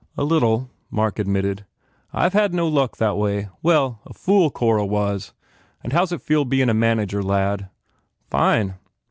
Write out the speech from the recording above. "A little," Mark admitted. "I ve had no luck that way. Well, a fool Cora was. And how s it feel bein a manager, lad?" "Fine."